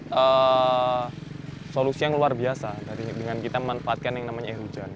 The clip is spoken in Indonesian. itu adalah solusi yang luar biasa dengan kita memanfaatkan air hujan